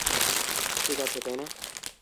ঠিক আছে, তাই না?